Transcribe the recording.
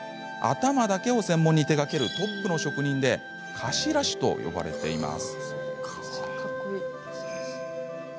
頭だけを専門に手がけるトップの職人で頭師と呼ばれています。